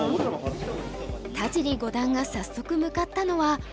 田尻五段が早速向かったのは碁盤の前。